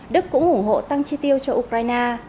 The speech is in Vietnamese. đức cũng ủng hộ tăng chi tiêu cho ukraine